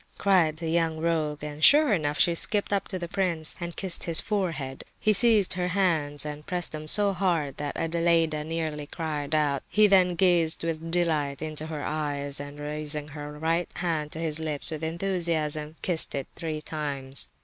cried the young rogue, and sure enough she skipped up to the prince and kissed his forehead. He seized her hands, and pressed them so hard that Adelaida nearly cried out; he then gazed with delight into her eyes, and raising her right hand to his lips with enthusiasm, kissed it three times.